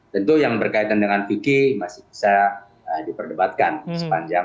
tentu yang berkaitan dengan vk masih bisa diperdebatkan sepanjang